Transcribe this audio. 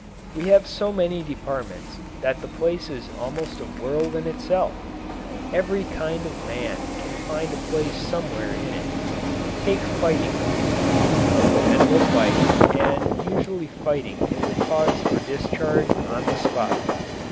We have so many departments that the place is almost a world in itself every kind of man can find a place somewhere in it. Take fighting between men. Men will fight, and usually fighting is a cause for discharge on the spot.